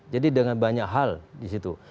jadi dengan banyak hal di situ